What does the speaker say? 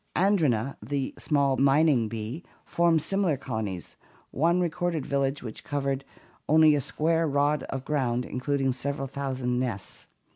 Andrena, the small mining bee, forms similar colonies; one re corded village which covered only a square rod of ground including several thousand nests.